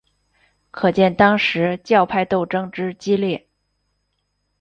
可见当时教派斗争之激烈。